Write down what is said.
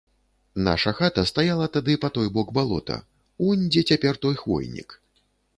Наша хата стаяла тады па той бок балота, унь дзе цяпер той хвойнік.